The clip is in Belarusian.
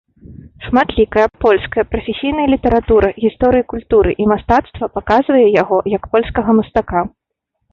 Шматлікая польская прафесійная літаратура гісторыі культуры і мастацтва паказвае яго як польскага мастака.